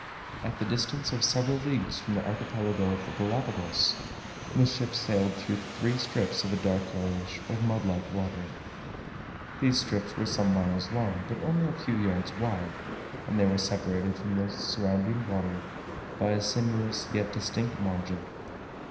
At the distance of several leagues from the Archipelago of the Galapagos, the ship sailed through three strips of a dark yellowish, or mud like water; these strips were some miles long, but only a few yards wide, and they were separated from the surrounding water by a sinuous yet distinct margin.